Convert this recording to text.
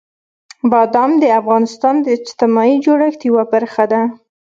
بادام د افغانستان د اجتماعي جوړښت یوه برخه ده.